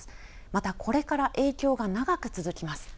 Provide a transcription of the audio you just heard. またこれから影響が長く続きます。